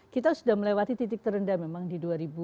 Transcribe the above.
kita sudah melewati titik terendah memang di dua ribu dua puluh